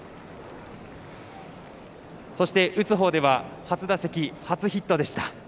そして打つ方では初打席、初ヒットでした。